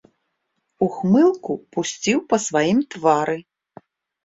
Ухмылку пусціў па сваім твары.